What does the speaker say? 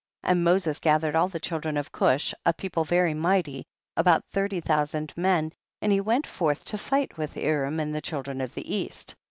40. And Moses gathered all the children of Cush, a people very mighty, about thirty thousand men, and he went forth to fight with Aram and the children of the east.